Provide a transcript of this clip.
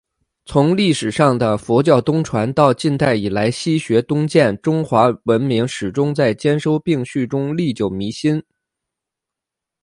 从历史上的佛教东传……到近代以来的“西学东渐”……中华文明始终在兼收并蓄中历久弥新。